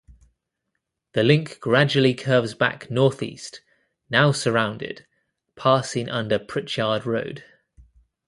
The Linc gradually curves back northeast, now surrounded, passing under Pritchard Road.